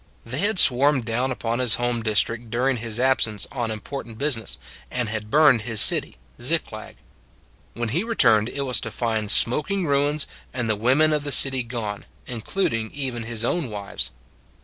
They had swarmed down upon his home district during his absence on important business, and had burned his city, Ziklag. When he returned, it was to find smoking ruins, and the women of the city gone, in cluding even his own wives.